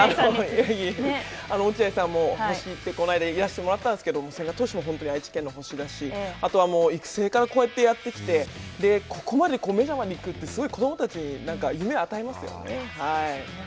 落合さんも、星って、この間、いらっしゃってくれたんですけれども、千賀投手も本当に愛知県の星だしあとは育成からこうやってやってきてここまでメジャーに行くって、すごい子どもたちに夢を与えますよ。